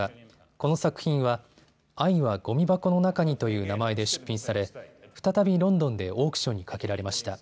この作品は愛はごみ箱の中にという名前で出品され、再びロンドンでオークションにかけられました。